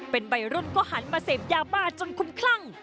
เป็นวัยรุ่นก็หันมาเสพยาบ้าจนคุ้มคลั่ง